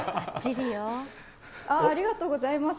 ありがとうございます。